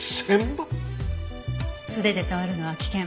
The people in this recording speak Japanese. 素手で触るのは危険。